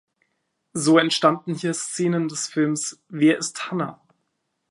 So entstanden hier Szenen des Films "Wer ist Hanna?